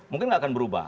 mungkin nggak akan berubah